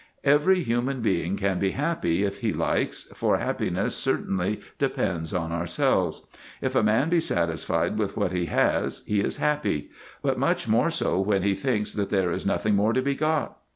Every human being can be happy if he likes, for happiness cer tainly depends on ourselves. If a man be satisfied with what he has, he is happy ; but much more so when he thinks, that there is nothing more to be got.